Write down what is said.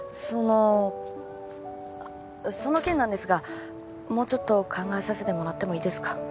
その件なんですがもうちょっと考えさせてもらってもいいですか？